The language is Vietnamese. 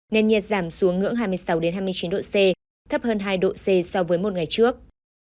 nền nhiệt giảm xuống ngưỡng hai mươi sáu hai mươi chín độ c thấp hơn hai độ c so với một ngày trước